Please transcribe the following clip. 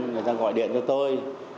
người ta gọi điện cho tôi